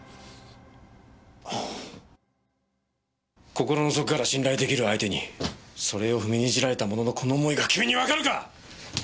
心の底から信頼出来る相手にそれを踏みにじられた者のこの思いが君にわかるか！